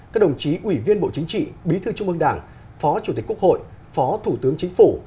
các đồng chí ủy viên bộ chính trị bí thư trung ương đảng phó chủ tịch quốc hội phó thủ tướng chính phủ